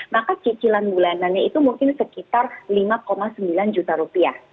maka cicilan bulanannya itu mungkin sekitar lima sembilan juta rupiah